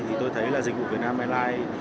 thì tôi thấy là dịch vụ của việt nam airlines